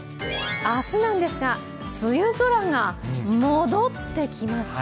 明日なんですが、梅雨空が戻ってきます。